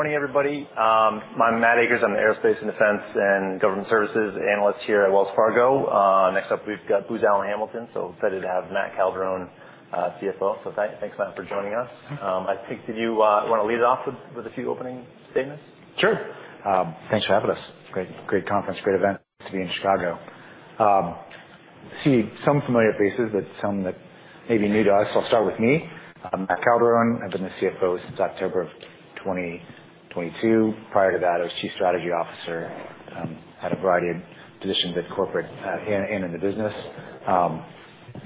Morning, everybody. I'm Matt Akers. I'm the Aerospace and Defense and Government Services analyst here at Wells Fargo. Next up, we've got Booz Allen Hamilton, so excited to have Matt Calderone, CFO. So thanks, Matt, for joining us. I think, did you want to lead off with a few opening statements? Sure. Thanks for having us. Great, great conference, great event to be in Chicago. See some familiar faces, but some that may be new to us. So I'll start with me. I'm Matt Calderone. I've been the CFO since October 2022. Prior to that, I was Chief Strategy Officer, had a variety of positions at corporate, and in the business.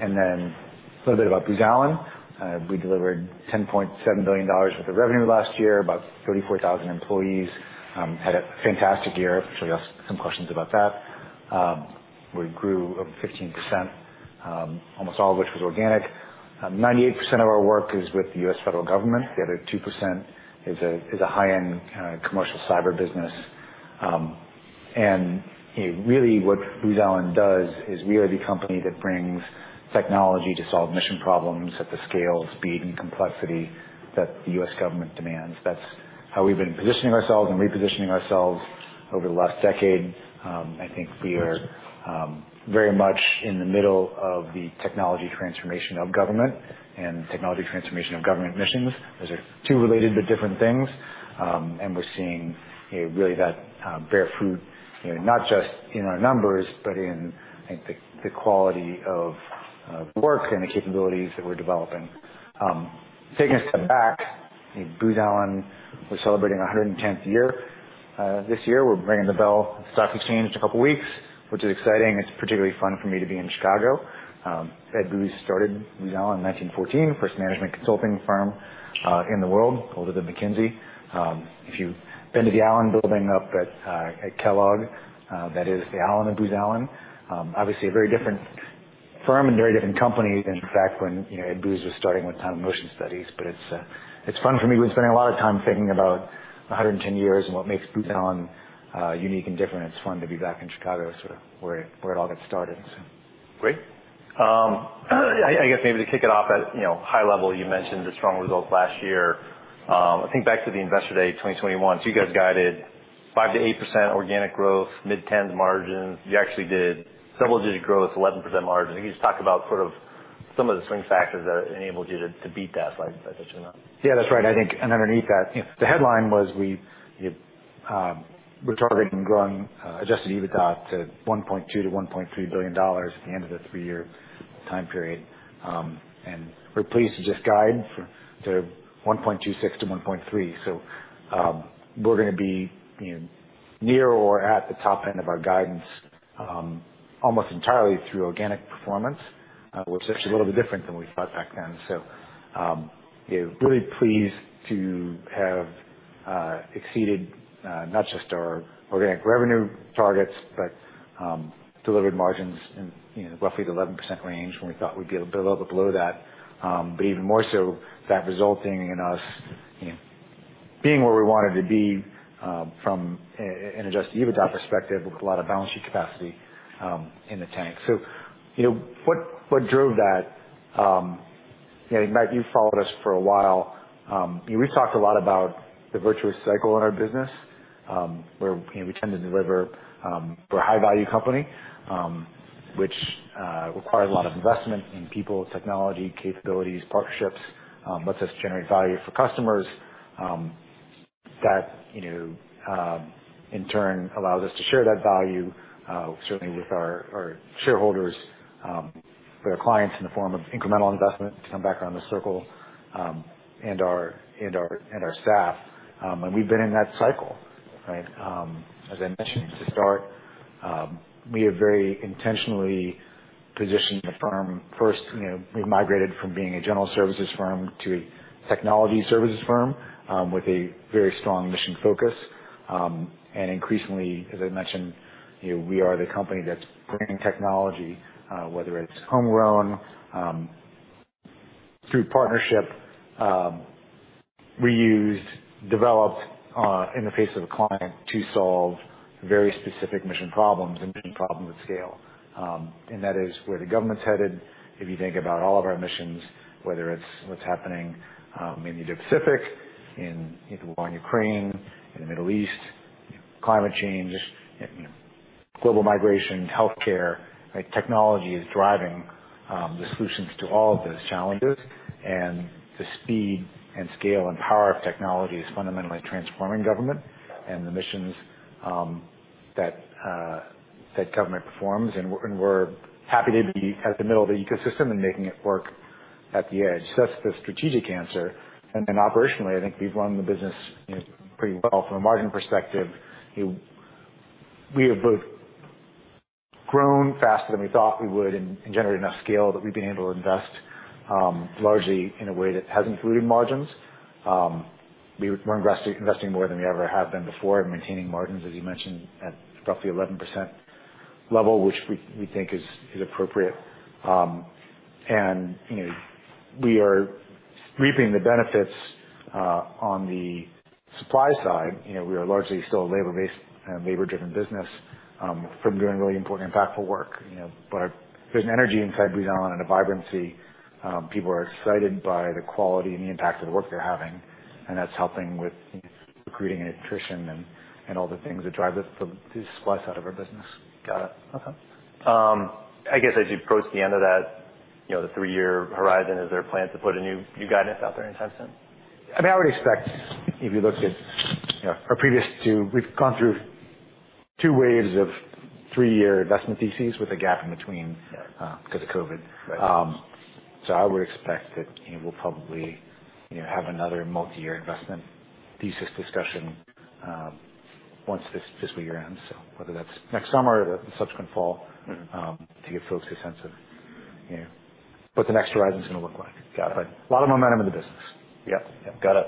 And then a little bit about Booz Allen. We delivered $10.7 billion worth of revenue last year, about 34,000 employees. Had a fantastic year. I'm sure you'll ask some questions about that. We grew over 15%, almost all of which was organic. 98% of our work is with the U.S. federal government. The other 2% is a high-end commercial cyber business. And really, what Booz Allen does is we are the company that brings technology to solve mission problems at the scale, speed, and complexity that the U.S. government demands. That's how we've been positioning ourselves and repositioning ourselves over the last decade. I think we are very much in the middle of the technology transformation of government and technology transformation of government missions. Those are two related but different things. And we're seeing, you know, really that bear fruit, you know, not just in our numbers, but in, I think, the quality of work and the capabilities that we're developing. Taking a step back, Booz Allen, we're celebrating our 110th year this year. We're ringing the bell at the stock exchange in a couple of weeks, which is exciting. It's particularly fun for me to be in Chicago. Ed Booz started Booz Allen in 1914, first management consulting firm in the world, older than McKinsey. If you've been to the Allen Building up at Kellogg, that is the Allen in Booz Allen. Obviously a very different firm and very different company than, in fact, when, you know, Ed Booz was starting with time of motion studies. But it's fun for me. We've been spending a lot of time thinking about 110 years and what makes Booz Allen unique and different. It's fun to be back in Chicago, sort of where it all got started, so. Great. I guess maybe to kick it off at, you know, high level, you mentioned the strong results last year. I think back to the Investor Day 2021. So you guys guided 5%-8% organic growth, mid-teens margins. You actually did double-digit growth, 11% margin. Can you just talk about sort of some of the swing factors that enabled you to beat that by such a amount? Yeah, that's right. I think and underneath that, you know, the headline was we, we're targeting growing, Adjusted EBITDA to $1.2 billion-$1.3 billion at the end of the three-year time period. And we're pleased to just guide for to $1.26 billion-$1.3 billion. So, we're gonna be, you know, near or at the top end of our guidance, almost entirely through organic performance, which is actually a little bit different than we thought back then. So, yeah, really pleased to have exceeded, not just our organic revenue targets, but delivered margins in, you know, roughly the 11% range, when we thought we'd be a little bit below that. But even more so, that resulting in us, you know, being where we wanted to be, from an Adjusted EBITDA perspective, with a lot of balance sheet capacity, in the tank. So, you know, what drove that? You know, Matt, you've followed us for a while. We've talked a lot about the virtuous cycle in our business, where, you know, we tend to deliver, we're a high-value company, which requires a lot of investment in people, technology, capabilities, partnerships, lets us generate value for customers. That, you know, in turn, allows us to share that value, certainly with our shareholders, with our clients in the form of incremental investment to come back around the circle, and our staff. And we've been in that cycle, right? As I mentioned at the start, we have very intentionally positioned the firm. First, you know, we've migrated from being a general services firm to a technology services firm, with a very strong mission focus. And increasingly, as I mentioned, you know, we are the company that's bringing technology, whether it's homegrown, through partnership, reused, developed, in the face of a client to solve very specific mission problems and mission problems with scale. And that is where the government's headed. If you think about all of our missions, whether it's what's happening, in the Indo-Pacific, in the war in Ukraine, in the Middle East, climate change, global migration, healthcare, like, technology is driving the solutions to all of those challenges. The speed and scale and power of technology is fundamentally transforming government and the missions that government performs, and we're happy to be in the middle of the ecosystem and making it work at the edge. That's the strategic answer. And then operationally, I think we've run the business, you know, pretty well from a margin perspective. You know, we have both grown faster than we thought we would and generated enough scale that we've been able to invest, largely in a way that has included margins. We're investing more than we ever have been before and maintaining margins, as you mentioned, at roughly 11% level, which we think is appropriate. And, you know, we are reaping the benefits on the supply side. You know, we are largely still a labor-based and labor-driven business, from doing really important, impactful work, you know. But there's an energy inside Booz Allen and a vibrancy. People are excited by the quality and the impact of the work they're having, and that's helping with recruiting and attrition and all the things that drive the splash out of our business. Got it. Okay. I guess as you approach the end of that, you know, the three-year horizon, is there a plan to put a new, new guidance out there anytime soon? I mean, I would expect if you look at, you know, our previous two, we've gone through two waves of three-year investment theses with a gap in between- Yeah. because of COVID. Right. So I would expect that, you know, we'll probably, you know, have another multi-year investment thesis discussion, once this year ends. So whether that's next summer or the subsequent fall- Mm-hmm. To give folks a sense of, you know, what the next horizon is gonna look like. Got it. But a lot of momentum in the business. Yep. Yep, got it.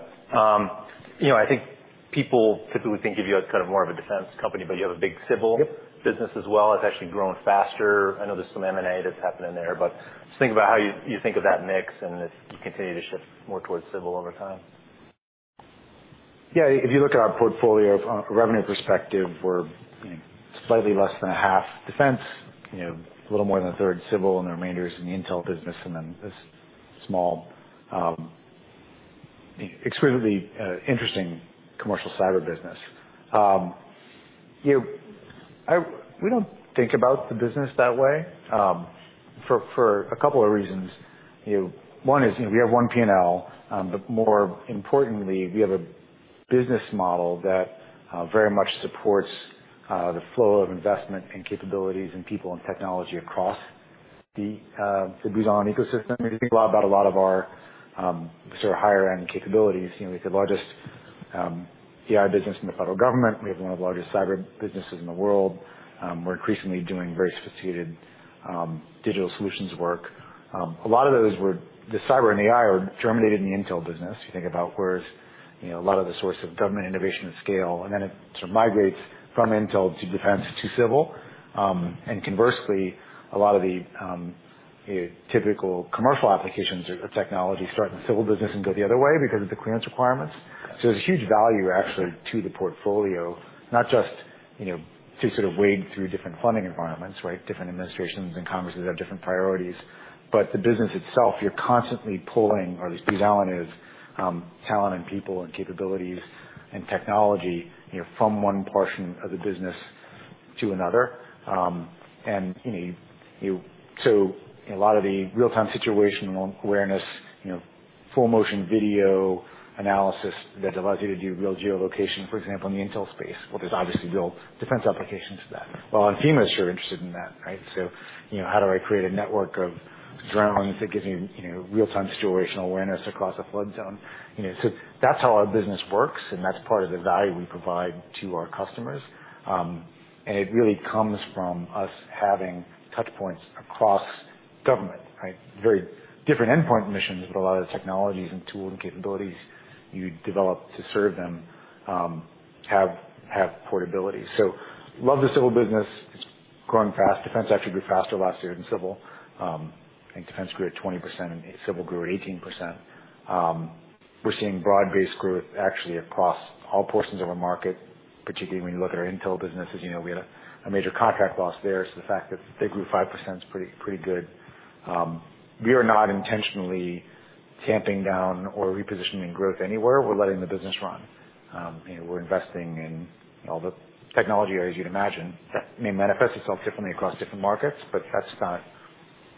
You know, I think people typically think of you as kind of more of a defense company, but you have a big civil- Yep. Business as well, it's actually growing faster. I know there's some M&A that's happening there, but just think about how you think of that mix and if you continue to shift more towards civil over time. Yeah, if you look at our portfolio from a revenue perspective, we're, you know, slightly less than a half defense, you know, a little more than a third civil, and the remainder is in the intel business, and then this small, extremely interesting commercial cyber business. We don't think about the business that way, for a couple of reasons. You know, one is, you know, we have one P&L, but more importantly, we have a business model that very much supports the flow of investment and capabilities and people and technology across the the Booz Allen ecosystem. If you think a lot about a lot of our sort of higher end capabilities, you know, we have the largest AI business in the federal government. We have one of the largest cyber businesses in the world. We're increasingly doing very sophisticated, digital solutions work. A lot of those were... The cyber and AI are germinated in the intel business. You think about where, you know, a lot of the source of government innovation and scale, and then it sort of migrates from intel to defense to civil. And conversely, a lot of the, typical commercial applications or technology start in the civil business and go the other way because of the clearance requirements. Got it. So there's a huge value actually to the portfolio, not just, you know, to sort of wade through different funding environments, right? Different administrations and congresses have different priorities. But the business itself, you're constantly pulling, or at least Booz Allen is, talent and people and capabilities and technology, you know, from one portion of the business to another. And, you know, so a lot of the real-time situational awareness, you know, full motion video analysis that allows you to do real geolocation, for example, in the intel space. Well, there's obviously real defense applications to that. Well, and FEMA is sure interested in that, right? So, you know, how do I create a network of drones that give me, you know, real-time situational awareness across a flood zone? You know, so that's how our business works, and that's part of the value we provide to our customers. It really comes from us having touch points across government, right? Very different endpoint missions, but a lot of the technologies and tools and capabilities you develop to serve them have portability. So love the civil business. It's growing fast. Defense actually grew faster last year than civil. I think defense grew at 20% and civil grew at 18%. We're seeing broad-based growth actually across all portions of our market, particularly when you look at our intel businesses. You know, we had a major contract loss there, so the fact that they grew 5% is pretty good. We are not intentionally tamping down or repositioning growth anywhere. We're letting the business run. You know, we're investing in all the technology areas you'd imagine. Yeah. May manifest itself differently across different markets, but that's not.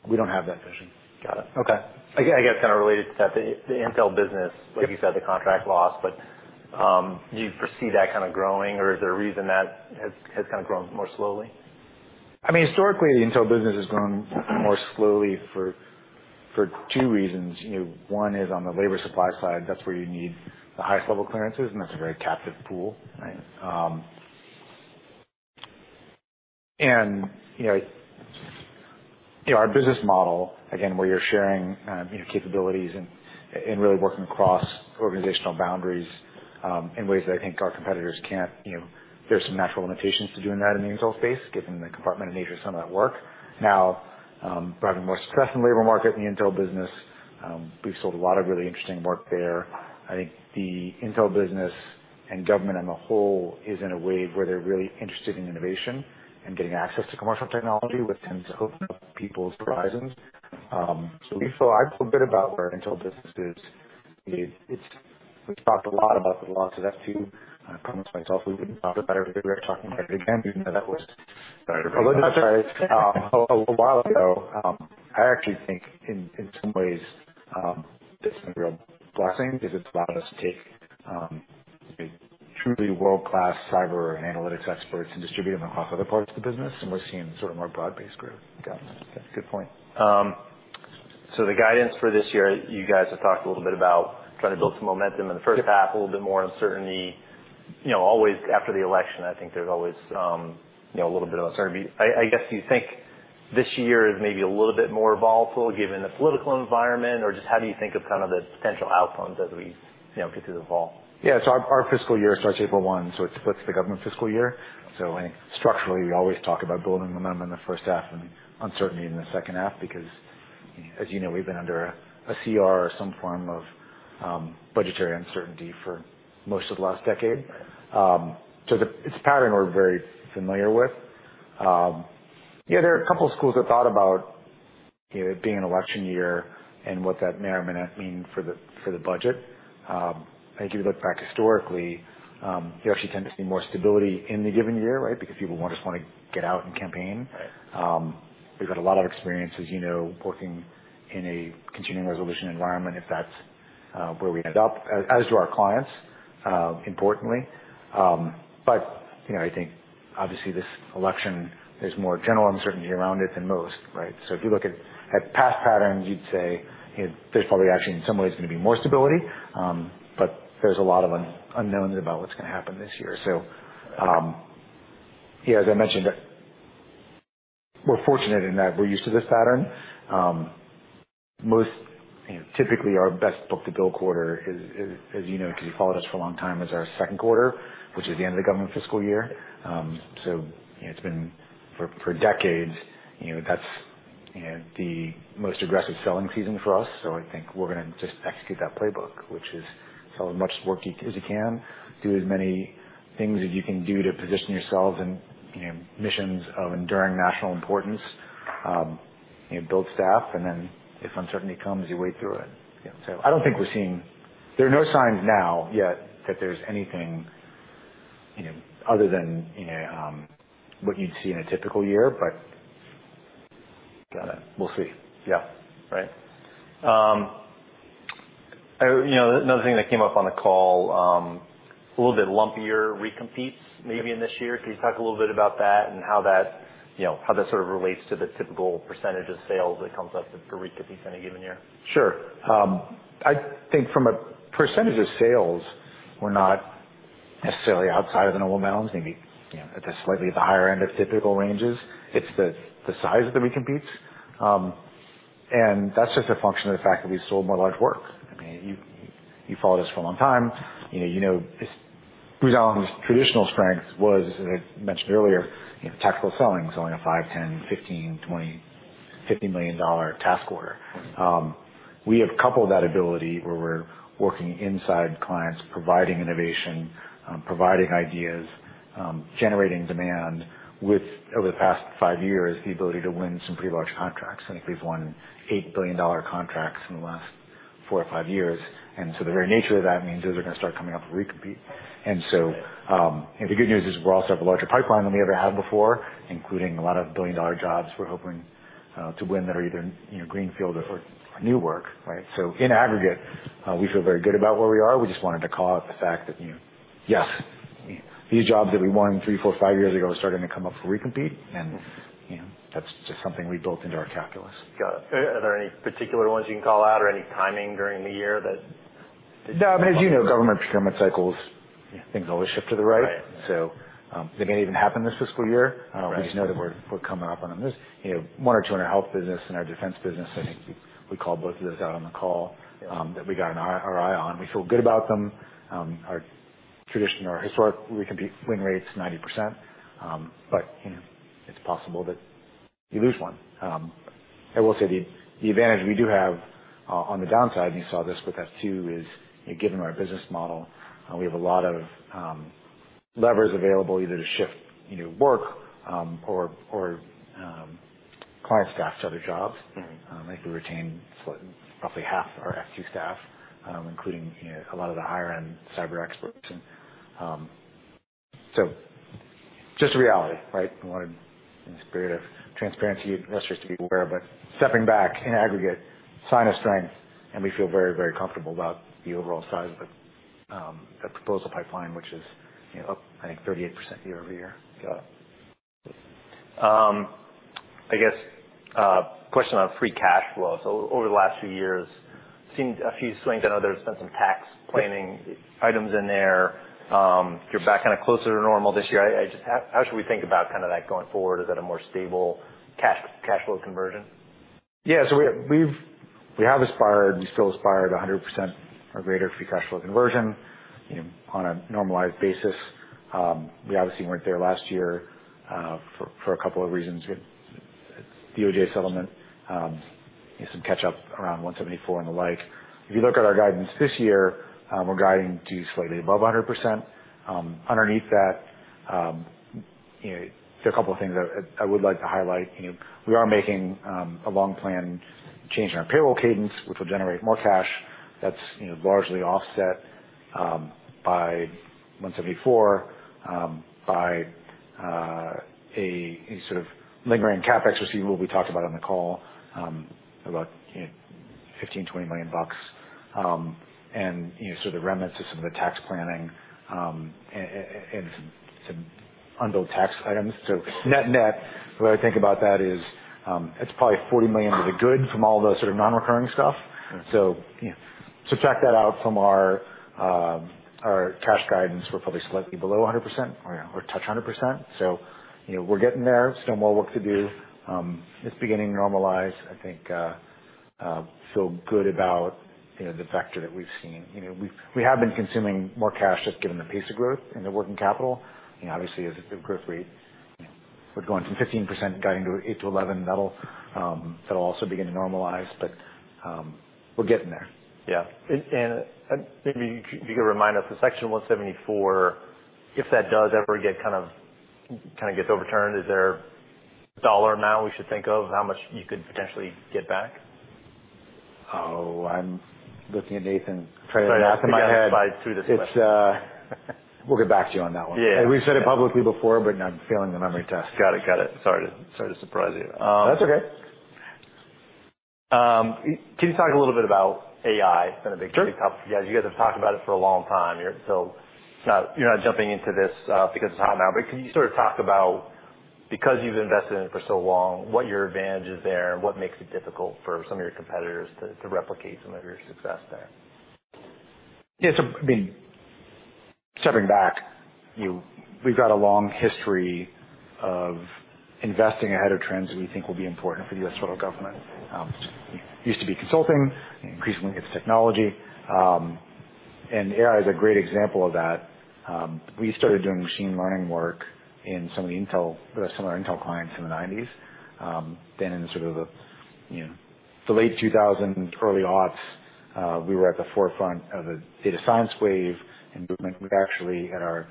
We don't have that vision. Got it. Okay. I guess kind of related to that, the intel business- Yep. like you said, the contract loss, but do you foresee that kind of growing, or is there a reason that has kind of grown more slowly? I mean, historically, the intel business has grown more slowly for two reasons. You know, one is on the labor supply side, that's where you need the highest level clearances, and that's a very captive pool, right? And you know, our business model, again, where you're sharing you know, capabilities and really working across organizational boundaries, in ways that I think our competitors can't, you know, there's some natural limitations to doing that in the intel space, given the compartmented nature of some of that work. Now, we're having more success in the labor market, in the intel business. We've sold a lot of really interesting work there. I think the intel business and government as a whole is in a wave where they're really interested in innovation and getting access to commercial technology, which tends to open up people's horizons. So we feel quite a bit about where our intel business is. You know, it's- we've talked a lot about the loss of F2. I promised myself we wouldn't talk about it, but we are talking about it again, even though that was- Sorry to bring it up. -a little while ago. I actually think in, in some ways, it's been a real blessing because it's allowed us to take truly world-class cyber analytics experts and distribute them across other parts of the business, and we're seeing sort of more broad-based growth. Got it. That's a good point. So the guidance for this year, you guys have talked a little bit about trying to build some momentum- Yep. In the first half, a little bit more uncertainty. You know, always after the election, I think there's always, you know, a little bit of uncertainty. I guess, do you think this year is maybe a little bit more volatile given the political environment? Or just how do you think of kind of the potential outcomes as we, you know, get through the fall? Yeah. So our fiscal year starts April one, so it splits the government fiscal year. So I think structurally, we always talk about building momentum in the first half and uncertainty in the second half because as you know, we've been under a CR or some form of budgetary uncertainty for most of the last decade. So it's a pattern we're very familiar with. Yeah, there are a couple of schools of thought about, you know, it being an election year and what that may or may not mean for the budget. I think if you look back historically, you actually tend to see more stability in the given year, right? Because people won't just want to get out and campaign. Right. We've had a lot of experience, as you know, working in a Continuing Resolution environment, if that's where we end up, as do our clients, importantly. But, you know, I think obviously this election, there's more general uncertainty around it than most, right? So if you look at past patterns, you'd say, you know, there's probably actually in some ways gonna be more stability. But there's a lot of unknowns about what's gonna happen this year. So, yeah, as I mentioned, we're fortunate in that we're used to this pattern. Most, you know, typically our best book-to-bill quarter is, as you know, because you followed us for a long time, our second quarter, which is the end of the government fiscal year. So, you know, it's been for decades, you know, that's, you know, the most aggressive selling season for us. So I think we're gonna just execute that playbook, which is sell as much work as you can, do as many things as you can do to position yourselves in, you know, missions of enduring national importance. You know, build staff, and then if uncertainty comes, you wait through it. You know, so I don't think we're seeing... There are no signs now, yet, that there's anything, you know, other than, you know, what you'd see in a typical year, but we'll see. Yeah. Right. You know, another thing that came up on the call, a little bit lumpier recompetes maybe in this year. Can you talk a little bit about that and how that, you know, how that sort of relates to the typical percentage of sales that comes up for recompetes in a given year? Sure. I think from a percentage of sales, we're not necessarily outside of the normal amounts, maybe, you know, at the slightly higher end of typical ranges. It's the size of the recompetes. And that's just a function of the fact that we've sold more large work. I mean, you, you've followed us for a long time. You know, Booz Allen's traditional strength was, as I mentioned earlier, you know, tactical selling, selling a $5 million, $10 million, $15 million, $20 million, $50 million task order. We have coupled that ability where we're working inside clients, providing innovation, providing ideas, generating demand with, over the past five years, the ability to win some pretty large contracts. I think we've won eight $1 billion contracts in the last four or five years. And so the very nature of that means those are going to start coming up for recompete. And so, and the good news is we also have a larger pipeline than we ever had before, including a lot of billion-dollar jobs we're hoping to win that are either, you know, greenfield or new work, right? So in aggregate, we feel very good about where we are. We just wanted to call out the fact that, you know, yes, these jobs that we won three, four, five years ago are starting to come up for recompete, and, you know, that's just something we built into our calculus. Got it. Are there any particular ones you can call out or any timing during the year that- No, I mean, as you know, government procurement cycles, things always shift to the right. Right. They may even happen this fiscal year. Right. We just know that we're, we're coming up on this. You know, one or two in our health business and our defense business. I think we called both of those out on the call, that we got an eye on. We feel good about them. Our traditional, our historic recompete win rate's 90%. But, you know, it's possible that you lose one. I will say the advantage we do have, on the downside, and you saw this with F2, is given our business model, we have a lot of levers available either to shift, you know, work, or client staff to other jobs. Mm-hmm. I think we retained roughly half of our F2 staff, including, you know, a lot of the higher-end cyber experts. And, so just reality, right? We wanted, in the spirit of transparency, investors to be aware. But stepping back in aggregate, sign of strength, and we feel very, very comfortable about the overall size of the, the proposal pipeline, which is, you know, up, I think, 38% year-over-year. Got it. I guess, question on free cash flow. So over the last few years, seen a few swings. I know there's been some tax planning items in there. You're back kind of closer to normal this year. How should we think about kind of that going forward? Is that a more stable cash flow conversion? Yeah, so we have aspired, we still aspire to 100% or greater free cash flow conversion, you know, on a normalized basis. We obviously weren't there last year, for a couple of reasons. DOJ settlement, some catch up around 174 and the like. If you look at our guidance this year, we're guiding to slightly above 100%. Underneath that, you know, there are a couple of things that I would like to highlight. You know, we are making a long-planned change in our payroll cadence, which will generate more cash. That's, you know, largely offset by 174 by a sort of lingering CapEx receivable we talked about on the call about, you know, $15-$20 million bucks and, you know, sort of the remnants of some of the tax planning and some unbilled tax items. So net-net, the way I think about that is, it's probably $40 million to the good from all the sort of non-recurring stuff. Right. So, you know, subtract that out from our, our cash guidance, we're probably slightly below 100% or, or touch 100%. So, you know, we're getting there. Still more work to do. It's beginning to normalize. I think, feel good about, you know, the factor that we've seen. You know, we have been consuming more cash just given the pace of growth and the working capital, and obviously, the growth rate. We're going from 15%, going to 8%-11%, that'll also begin to normalize. But, we're getting there. Yeah. And maybe you could remind us of Section 174, if that does ever get kind of overturned, is there a dollar amount we should think of how much you could potentially get back? Oh, I'm looking at Nathan trying to do the math in my head. Through this list. It's, we'll get back to you on that one. Yeah. We've said it publicly before, but I'm failing the memory test. Got it, got it. Sorry to, sorry to surprise you. That's okay. Can you talk a little bit about AI and the big- Sure. You guys, you guys have talked about it for a long time. You're, so, you're not jumping into this because it's hot now. But can you sort of talk about, because you've invested in it for so long, what your advantage is there and what makes it difficult for some of your competitors to, to replicate some of your success there? Yeah, so, I mean, stepping back, we've got a long history of investing ahead of trends that we think will be important for the U.S. federal government. Used to be consulting, increasingly it's technology, and AI is a great example of that. We started doing machine learning work in some of the intel, some of our intel clients in the 1990s. Then in sort of the, you know, the late 2000s, early aughts, we were at the forefront of the data science wave and movement. We actually, at our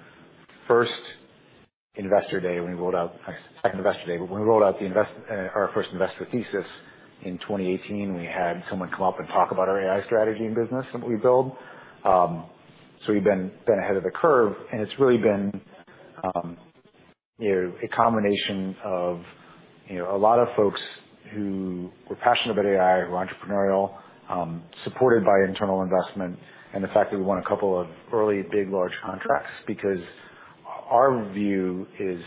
first investor day, when we rolled out—actually, second investor day, but when we rolled out our first investor thesis in 2018, we had someone come up and talk about our AI strategy and business that we build. So we've been ahead of the curve, and it's really been, you know, a combination of, you know, a lot of folks who were passionate about AI, who are entrepreneurial, supported by internal investment and the fact that we won a couple of early, big, large contracts. Because our view is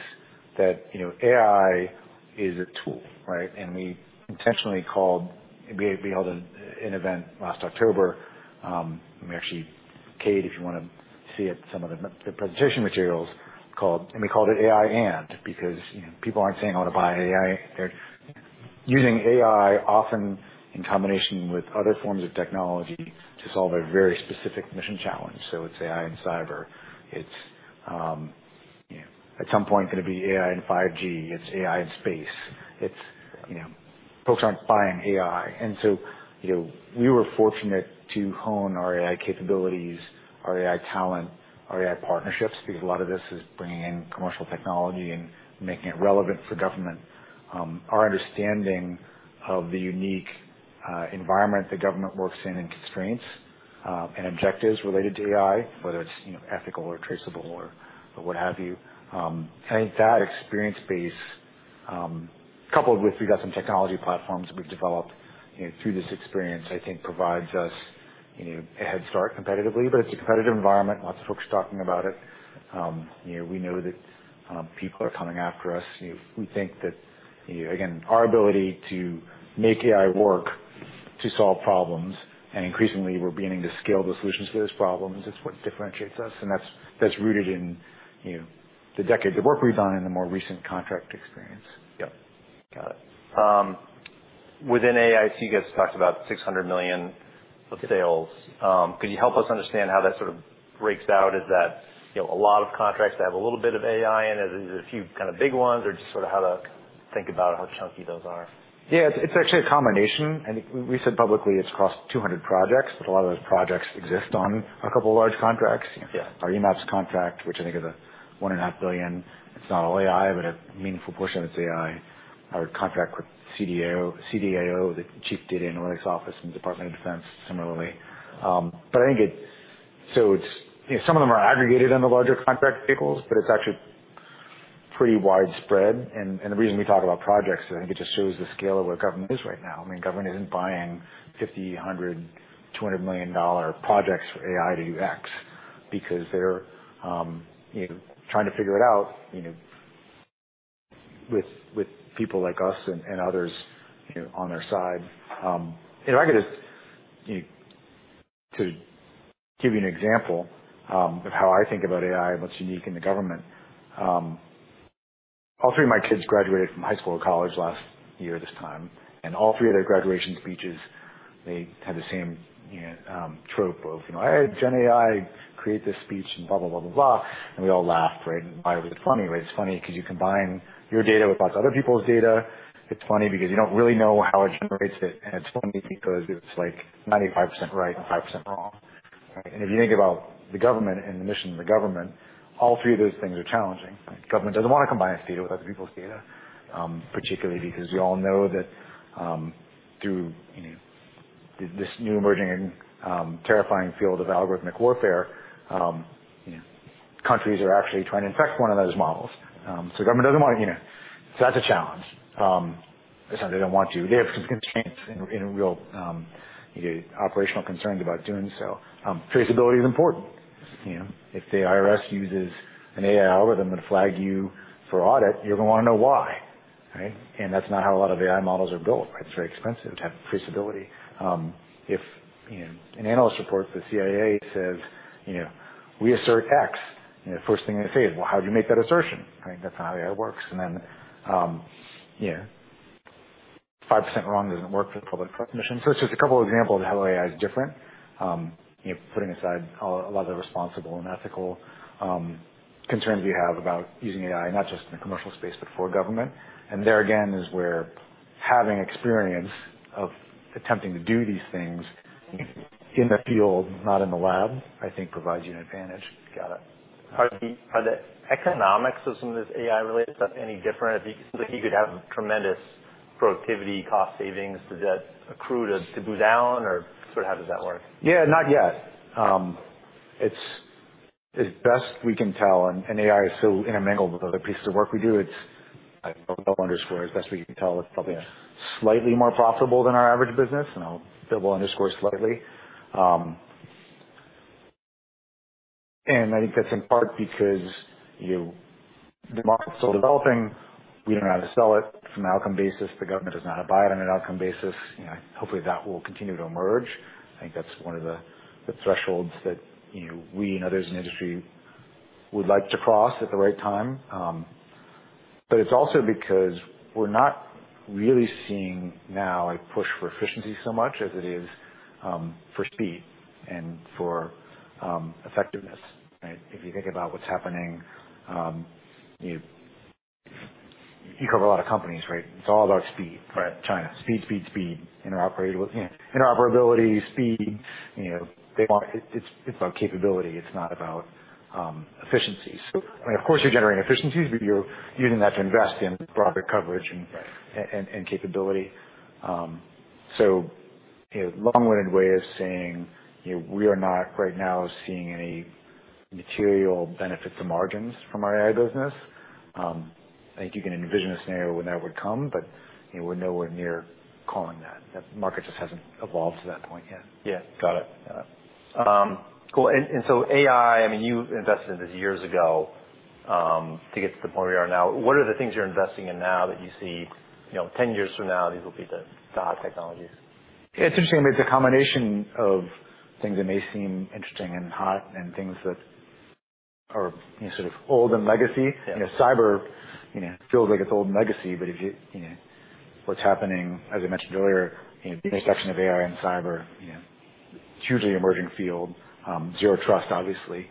that, you know, AI is a tool, right? And we intentionally called—we held an event last October, actually, Cade, if you want to see it, some of the presentation materials called, and we called it AI And, because, you know, people aren't saying, "I want to buy AI." They're using AI often in combination with other forms of technology to solve a very specific mission challenge. So it's AI and cyber. It's, you know, at some point going to be AI and 5G, it's AI and space. It's, you know, folks aren't buying AI. And so, you know, we were fortunate to hone our AI capabilities, our AI talent, our AI partnerships, because a lot of this is bringing in commercial technology and making it relevant for government. Our understanding of the unique environment the government works in, and constraints, and objectives related to AI, whether it's, you know, ethical or traceable or what have you. I think that experience base, coupled with we've got some technology platforms we've developed, you know, through this experience, I think provides us, you know, a head start competitively, but it's a competitive environment. Lots of folks talking about it. You know, we know that people are coming after us. You know, we think that, you know, again, our ability to make AI work to solve problems, and increasingly we're beginning to scale the solutions to those problems, it's what differentiates us, and that's, that's rooted in, you know, the decade, the work we've done in the more recent contract experience. Yep. Got it. Within AI, so you guys talked about $600 million of sales. Could you help us understand how that sort of breaks out? Is that, you know, a lot of contracts that have a little bit of AI in it? Is it a few kind of big ones, or just sort of how to think about how chunky those are? Yeah, it's actually a combination, and we said publicly it's across 200 projects, but a lot of those projects exist on a couple of large contracts. Yeah. Our EMAPS contract, which I think is a $1.5 billion. It's not all AI, but a meaningful portion of it's AI. Our contract with CDAO, the Chief Digital and Artificial Intelligence Office and Department of Defense, similarly. But I think it, so it's, you know, some of them are aggregated on the larger contract vehicles, but it's actually pretty widespread. And the reason we talk about projects, I think it just shows the scale of where government is right now. I mean, government isn't buying 50, 100, 200 million dollar projects for AI to do X, because they're, you know, trying to figure it out, you know, with people like us and others, you know, on their side. If I could just, you know, to give you an example, of how I think about AI and what's unique in the government. All three of my kids graduated from high school and college last year, this time, and all three of their graduation speeches, they had the same, you know, trope of, you know, "I had Gen AI create this speech," and blah, blah, blah, blah, blah. And we all laughed, right? Why was it funny? Well, it's funny because you combine your data with lots of other people's data. It's funny because you don't really know how it generates it, and it's funny because it's like 95% right and 5% wrong, right? And if you think about the government and the mission of the government, all three of those things are challenging. Government doesn't want to combine its data with other people's data, particularly because we all know that, through, you know, this new emerging and, terrifying field of algorithmic warfare, you know, countries are actually trying to infect one of those models. So government doesn't want to, you know... So that's a challenge. It's not they don't want to. They have some constraints and real, you know, operational concerns about doing so. Traceability is important. You know, if the IRS uses an AI algorithm that flagged you for audit, you're gonna wanna know why, right? And that's not how a lot of AI models are built, right? It's very expensive to have traceability. If, you know, an analyst report, the CIA says, you know, "We assert X," you know, first thing I say is, "Well, how'd you make that assertion?" Right? That's not how AI works. And then, you know, 5% wrong doesn't work for the public mission. So it's just a couple of examples of how AI is different. You know, putting aside a lot of the responsible and ethical concerns we have about using AI, not just in the commercial space, but for government. And there again is where having experience of attempting to do these things in the field, not in the lab, I think provides you an advantage. Got it. Are the economics of some of this AI-related stuff any different? It seems like you could have tremendous productivity, cost savings. Does that accrue to, to go down or sort of how does that work? Yeah, not yet. It's as best we can tell, and AI is so intermingled with other pieces of work we do. It's, I double underscore, as best we can tell, it's probably slightly more profitable than our average business, and I'll double underscore slightly. And I think that's in part because the market's still developing. We don't know how to sell it from an outcome basis, the government does not buy it on an outcome basis. You know, hopefully, that will continue to emerge. I think that's one of the thresholds that, you know, we and others in the industry would like to cross at the right time. But it's also because we're not really seeing now a push for efficiency so much as it is for speed and for effectiveness, right? If you think about what's happening, you cover a lot of companies, right? It's all about speed. Right. China, speed, speed, speed. Interoperability, yeah, interoperability, speed, you know, they want—it's, it's about capability. It's not about efficiency. So, I mean, of course, you're generating efficiencies, but you're using that to invest in broader coverage and- Right. And capability. So, you know, long-winded way of saying, you know, we are not right now seeing any material benefit to margins from our AI business. I think you can envision a scenario where that would come, but, you know, we're nowhere near calling that. That market just hasn't evolved to that point yet. Yeah, got it. Got it. Cool. And so AI, I mean, you invested in this years ago, to get to the point we are now. What are the things you're investing in now that you see, you know, 10 years from now, these will be the hot technologies? It's interesting. I mean, it's a combination of things that may seem interesting and hot, and things that are, you know, sort of old and legacy. Yeah. You know, cyber, you know, feels like it's old and legacy, but, you know, what's happening, as I mentioned earlier, intersection of AI and cyber, you know, hugely emerging field. Zero Trust, obviously,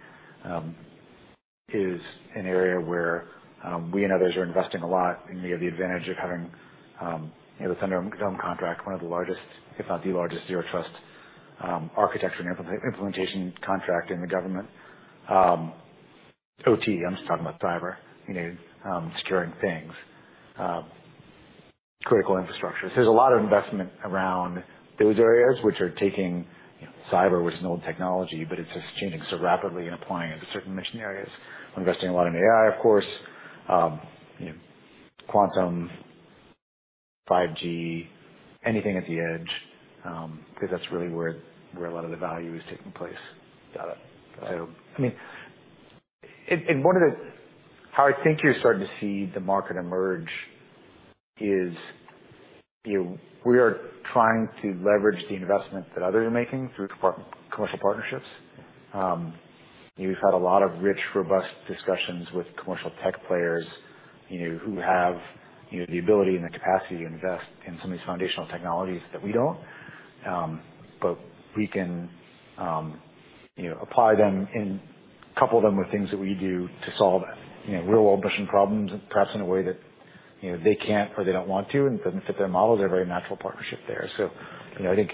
is an area where we and others are investing a lot and we have the advantage of having, you know, under contract, one of the largest, if not the largest, Zero Trust architecture and implementation contract in the government. OT, I'm just talking about cyber, you know, stirring things, critical infrastructure. So there's a lot of investment around those areas which are taking cyber, which is an old technology, but it's just changing so rapidly and applying it to certain mission areas. We're investing a lot in AI, of course, you know, quantum, 5G, anything at the edge, because that's really where a lot of the value is taking place. Got it. So, I mean, one of the, how I think you're starting to see the market emerge is, you know, we are trying to leverage the investments that others are making through part-commercial partnerships. We've had a lot of rich, robust discussions with commercial tech players, you know, who have, you know, the ability and the capacity to invest in some of these foundational technologies that we don't. But we can, you know, apply them and couple them with things that we do to solve, you know, real-world mission problems, perhaps in a way that, you know, they can't or they don't want to, and it doesn't fit their model. They're a very natural partnership there. So, you know, I think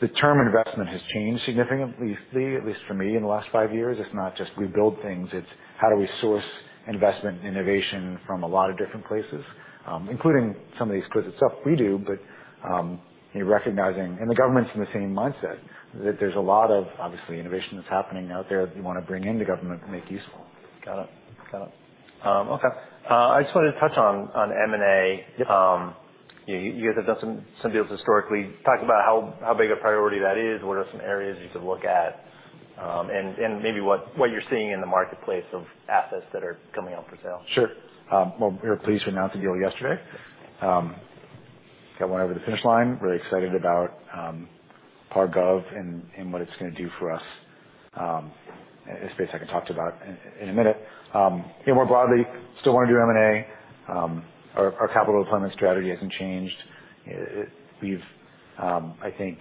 the term investment has changed significantly, at least for me, in the last five years. It's not just we build things, it's how do we source investment and innovation from a lot of different places, including some of these cool stuff we do, but, you know, recognizing... And the government's in the same mindset, that there's a lot of obviously innovation that's happening out there that you want to bring into government and make useful. Got it. Got it. Okay, I just wanted to touch on, on M&A. Yep. You guys have done some deals historically. Talk about how big a priority that is, what are some areas you could look at, and maybe what you're seeing in the marketplace of assets that are coming up for sale? Sure. Well, we were pleased to announce the deal yesterday. Got one over the finish line. Really excited about PAR Gov and what it's gonna do for us, a space I can talk about in a minute. You know, more broadly, still want to do M&A. Our capital deployment strategy hasn't changed. We've, I think,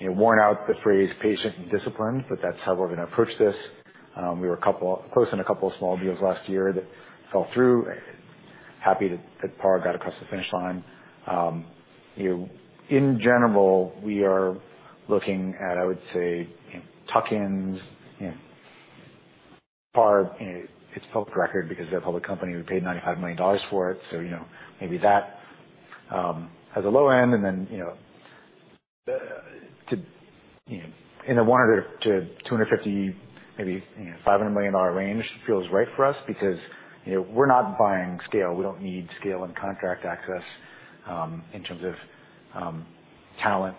you know, worn out the phrase patient and disciplined, but that's how we're gonna approach this. We were close in a couple of small deals last year that fell through. Happy that PAR got across the finish line. You know, in general, we are looking at, I would say, you know, tuck-ins, you know, PAR, you know, it's public record because they're a public company. We paid $95 million for it, so you know, maybe that has a low end and then, you know, in the $100 million-$250 million, maybe, you know, $500 million dollar range feels right for us because, you know, we're not buying scale. We don't need scale and contract access, in terms of talent.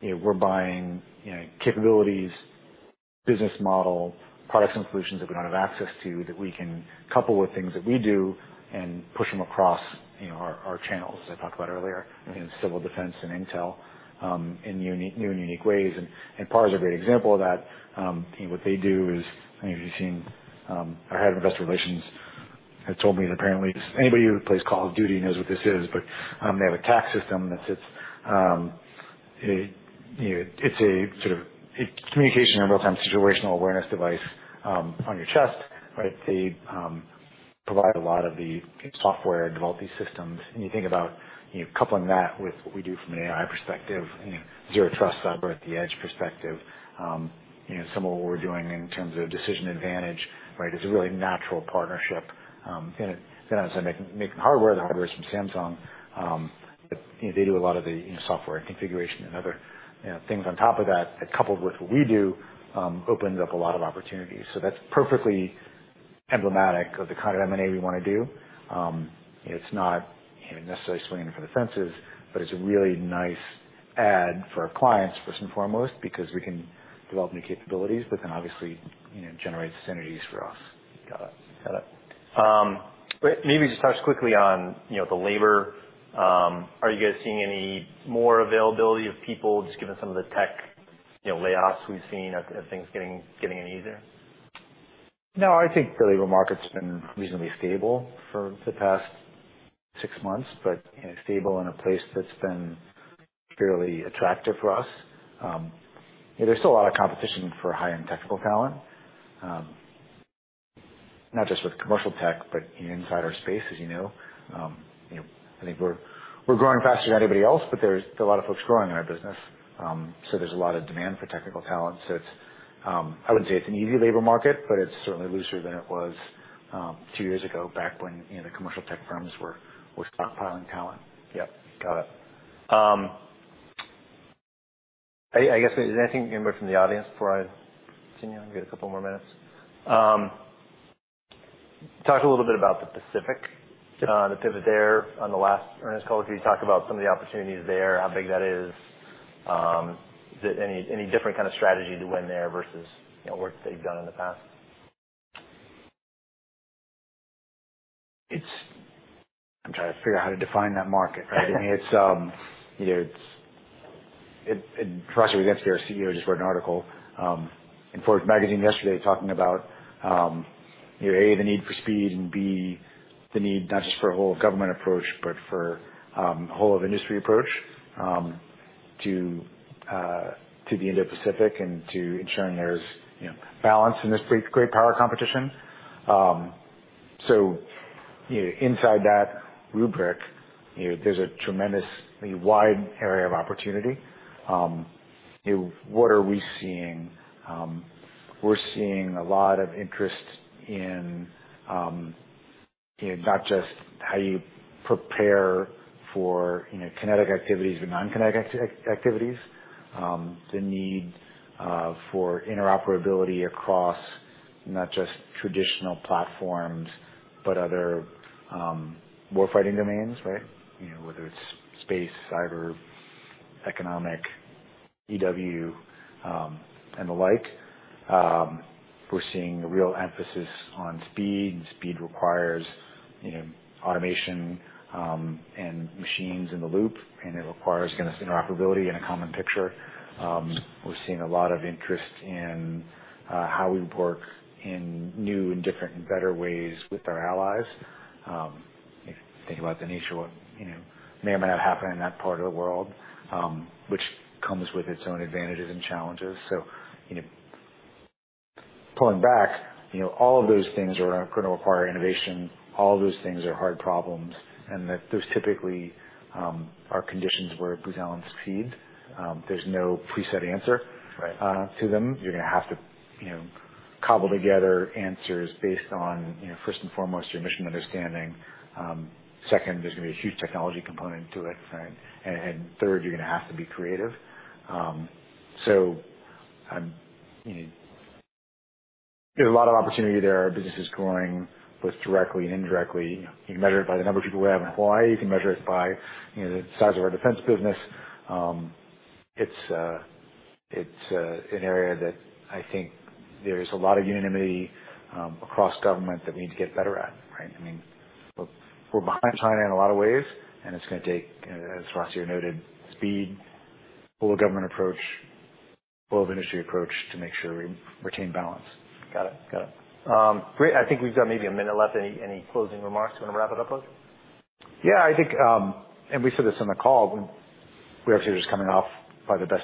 You know, we're buying, you know, capabilities, business model, products and solutions that we don't have access to, that we can couple with things that we do and push them across, you know, our, our channels, as I talked about earlier- Mm-hmm. in civil defense and intel, in new and unique ways. And PAR is a great example of that. You know, what they do is, maybe you've seen, our head of investor relations had told me that apparently anybody who plays Call of Duty knows what this is, but, they have a TAK system that sits, you know, it's a sort of a communication and real-time situational awareness device, on your chest, right? They provide a lot of the software, develop these systems, and you think about, you know, coupling that with what we do from an AI perspective, you know, Zero Trust cyber at the edge perspective, you know, some of what we're doing in terms of decision advantage, right? It's a really natural partnership, and then as they make hardware, the hardware is from Samsung, but, you know, they do a lot of the, you know, software and configuration and other, you know, things on top of that, coupled with what we do, opens up a lot of opportunities. So that's perfectly emblematic of the kind of M&A we wanna do. It's not, you know, necessarily swinging for the fences, but it's a really nice add for our clients, first and foremost, because we can develop new capabilities, but then obviously, you know, generate synergies for us. Got it. Got it. But maybe just touch quickly on, you know, the labor. Are you guys seeing any more availability of people, just given some of the tech, you know, layoffs we've seen? Are things getting any easier? No, I think the labor market's been reasonably stable for the past 6 months, but, you know, stable in a place that's been fairly attractive for us. There's still a lot of competition for high-end technical talent, not just with commercial tech, but inside our space, as you know. You know, I think we're growing faster than anybody else, but there's a lot of folks growing in our business. So there's a lot of demand for technical talent. So it's, I wouldn't say it's an easy labor market, but it's certainly looser than it was, two years ago back when, you know, the commercial tech firms were stockpiling talent. Yep, got it. I guess, is there anything from the audience before I continue? I've got a couple more minutes. Talk a little bit about the Pacific, the pivot there. On the last earnings call, could you talk about some of the opportunities there, how big that is? Is there any different kind of strategy to win there versus, you know, work that you've done in the past? I'm trying to figure out how to define that market. I mean, it's, you know, it's, it, Roz, your CEO, just wrote an article in Forbes magazine yesterday, talking about, you know, A, the need for speed, and B, the need not just for a whole government approach, but for a whole of industry approach, to to the Indo-Pacific and to ensuring there's, you know, balance in this great, great power competition. So, you know, inside that rubric, you know, there's a tremendously wide area of opportunity. You know, what are we seeing? We're seeing a lot of interest in, you know, not just how you prepare for, you know, kinetic activities or non-kinetic activities, the need for interoperability across not just traditional platforms, but other warfighting domains, right? You know, whether it's space, cyber, economic, EW, and the like. We're seeing a real emphasis on speed, and speed requires, you know, automation, and machines in the loop, and it requires interoperability and a common picture. We're seeing a lot of interest in how we work in new and different and better ways with our allies. If you think about the nature of what, you know, may or may not happen in that part of the world, which comes with its own advantages and challenges. So, you know, pulling back, you know, all of those things are gonna require innovation. All of those things are hard problems, and that those typically are conditions where Booz Allen succeeds. There's no preset answer- Right. to them. You're gonna have to, you know, cobble together answers based on, you know, first and foremost, your mission understanding. Second, there's gonna be a huge technology component to it, right? And third, you're gonna have to be creative. So I'm, you know... There's a lot of opportunity there, our business is growing, both directly and indirectly. You can measure it by the number of people we have in Hawaii, you can measure it by, you know, the size of our defense business. It's an area that I think there is a lot of unanimity across government that we need to get better at, right? I mean, we're behind China in a lot of ways, and it's gonna take, as Ro here noted, speed, whole government approach, whole of industry approach, to make sure we retain balance. Got it. Got it. Great. I think we've got maybe a minute left. Any closing remarks you want to wrap it up with? Yeah, I think, and we said this on the call, when we actually were just coming off by the best,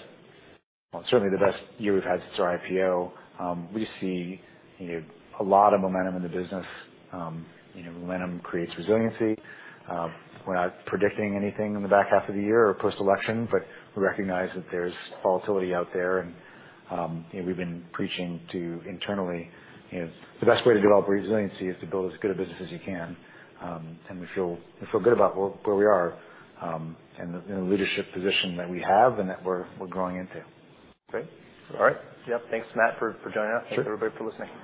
well, certainly the best year we've had since our IPO. We see, you know, a lot of momentum in the business. You know, momentum creates resiliency. We're not predicting anything in the back half of the year or post-election, but we recognize that there's volatility out there and, you know, we've been preaching to internally, you know, the best way to develop resiliency is to build as good a business as you can. And we feel, we feel good about where, where we are, and the, the leadership position that we have and that we're, we're growing into. Great. All right. Yep, thanks, Matt, for, for joining us. Sure. Thank you everybody for listening.